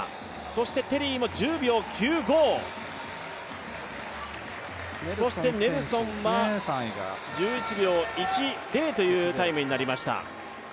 そしてテリーも１０秒９５、ネルソンは１１秒１０というタイムになりました。